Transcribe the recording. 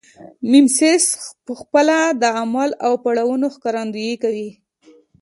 میمیسیس پخپله د عمل او پړاوونو ښکارندویي کوي